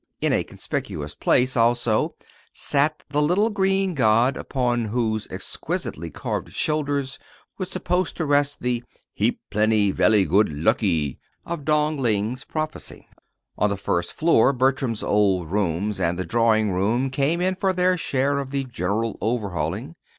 In a conspicuous place, also, sat the little green god, upon whose exquisitely carved shoulders was supposed to rest the "heap plenty velly good luckee" of Dong Ling's prophecy. On the first floor Bertram's old rooms and the drawing room came in for their share of the general overhauling.